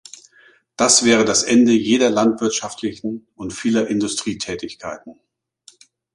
Das wäre das Ende jeder landwirtschaftlichen und vieler Industrietätigkeiten.